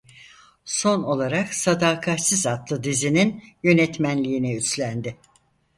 Son olarak Sadakatsiz adlı dizinin yönetmenliğini üstlendi.